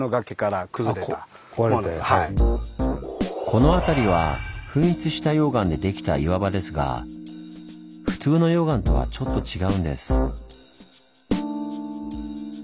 この辺りは噴出した溶岩でできた岩場ですが普通の溶岩とはちょっと違うんです。